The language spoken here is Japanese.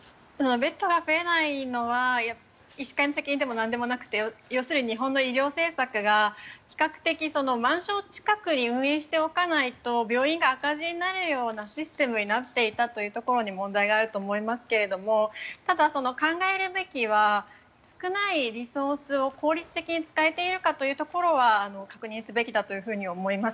ベッドが増えないのは医師会の責任でもなんでもなくて要するに日本の医療政策が比較的満床近くで運営しておかないと病院が赤字になるようなシステムになっていたというところに問題があると思いますがただ、考えるべきは少ないリソースを効率的に使えているかというところは確認すべきだと思います。